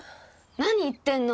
何言ってんの！